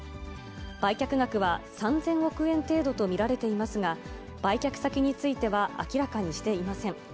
売却額は３０００億円程度と見られていますが、売却先については明らかにしていません。